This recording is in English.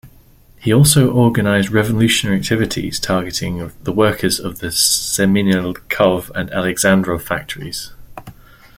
He also organized revolutionary activities targeting the workers of the Semiannikov and Aleksandrov factories.